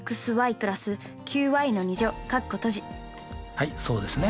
はいそうですね。